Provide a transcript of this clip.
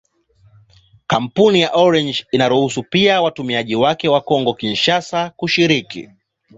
Kampuni ya Orange inaruhusu pia watumiaji wake wa Kongo-Kinshasa kushiriki.